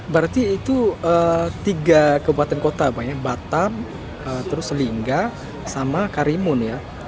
berarti itu tiga kebuatan kota batam linga dan karimun